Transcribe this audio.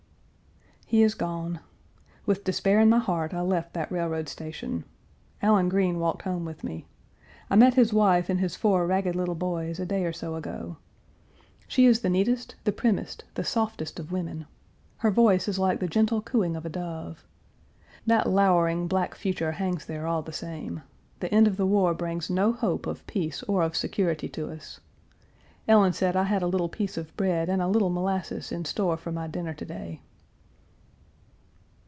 He is gone. With despair in my heart I left that railroad station. Allan Green walked home with me. I met his wife and his four ragged little boys a day or so ago. She Page 361 is the neatest, the primmest, the softest of women. Her voice is like the gentle cooing of a dove. That lowering black future hangs there all the same. The end of the war brings no hope of peace or of security to us. Ellen said I had a little piece of bread and a little molasses in store for my dinner to day.